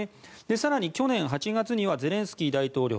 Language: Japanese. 更に、去年８月にはゼレンスキー大統領